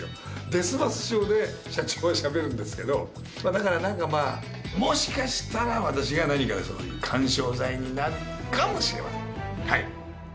ですます調で社長はしゃべるんですけどだから何かまあもしかしたら私が何かそういう緩衝材になるかもしれませんはい